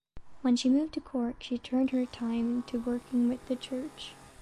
When she moved to Cork she turned her time to working with the church.